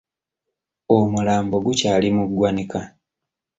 Omulambo gukyali mu ggwanika.